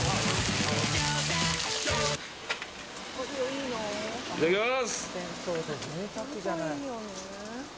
いただきます！